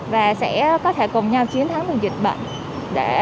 và sẽ có thể cùng nhau chơi vui vẻ